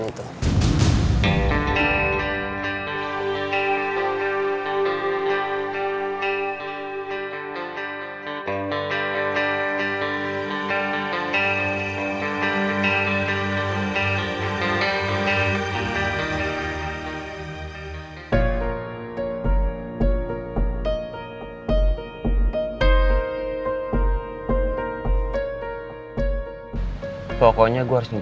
gimana harusnya sih